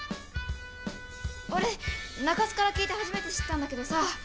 俺中津から聞いて初めて知ったんだけどさ